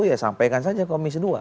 ya sampaikan saja komisi dua